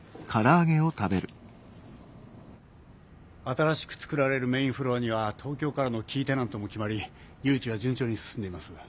新しく作られるメインフロアには東京からのキーテナントも決まり誘致は順調に進んでいます。